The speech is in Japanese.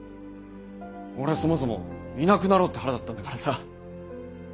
俺はそもそもいなくなろうって肚だったんだからさ。